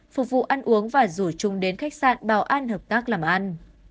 phục vụ ăn uống và rủ chúng đến khách sạn bảo an hợp tác làm ăn